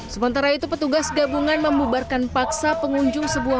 sementara itu petugas gabungan memubarkan paksa pengunjung sewa bulanan